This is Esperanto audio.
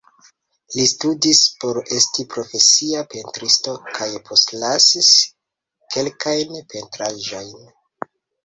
Li studis por esti profesia pentristo kaj postlasis kelkajn pentraĵojn.